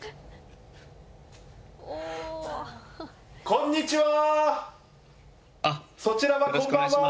こんにちは。